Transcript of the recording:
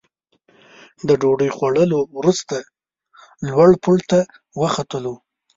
د ډوډۍ خوړلو وروسته لوړ پوړ ته وختلو.